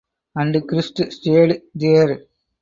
And Christ stayed there.